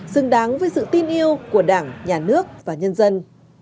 xứng đáng với sự tin yêu của đảng nhà nước và nhân dân